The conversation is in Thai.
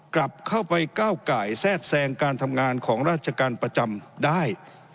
กลับเข้าไปก้าวไก่แทรกแทรงการทำงานของราชการประจำได้